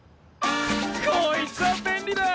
こいつは便利だ！